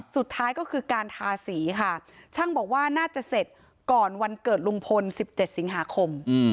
สุดท้ายก็คือการทาสีค่ะช่างบอกว่าน่าจะเสร็จก่อนวันเกิดลุงพล๑๗สิงหาคม